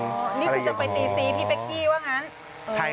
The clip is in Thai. นี่คือจะไปตีซีพี่เป๊กกี้ว่างั้น